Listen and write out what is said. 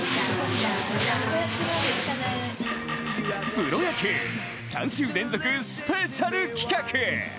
プロ野球３週連続スペシャル企画！